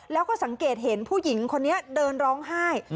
แล้วก็สังเกตเห็นผู้หญิงคนนี้เดินร้องไห้